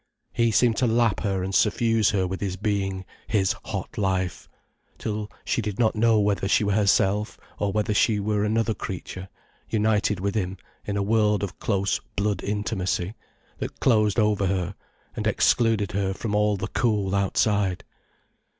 He seemed to lap her and suffuse her with his being, his hot life, till she did not know whether she were herself, or whether she were another creature, united with him in a world of close blood intimacy that closed over her and excluded her from all the cool outside.